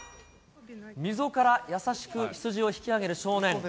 溝から優しく羊を引き上げる少年。